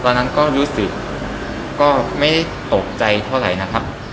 ตอนนั้นก็รู้สึกก็ไม่ตกใจเท่าไหร่นะครับ